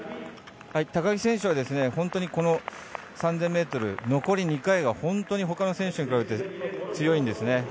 高木選手は３０００ｍ残り２回が本当に他の選手に比べて強いんですね。